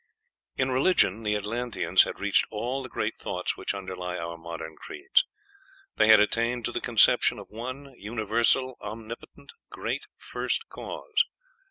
In religion the Atlanteans had reached all the great thoughts which underlie our modern creeds. They had attained to the conception of one universal, omnipotent, great First Cause.